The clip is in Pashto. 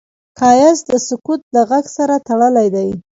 ښایست د سکوت له غږ سره تړلی دی